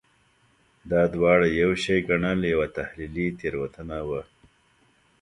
دا دواړه یو شی ګڼل یوه تحلیلي تېروتنه وه.